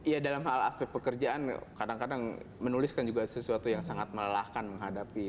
ya dalam hal aspek pekerjaan kadang kadang menulis kan juga sesuatu yang sangat melelahkan menghadapi